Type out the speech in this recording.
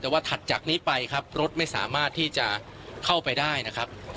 แต่ว่าถัดจากนี้ไปครับรถไม่สามารถที่จะเข้าไปได้นะครับ